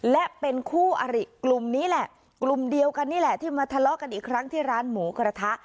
และเป็นคู่อริกลุ่มนี้แหละกลุ่มเดียวกันนี่แหละที่มาทะเลาะกันอีกครั้งที่ร้านหมูกระทะ